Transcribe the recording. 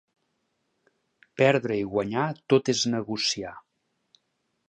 Perdre i guanyar tot és negociar.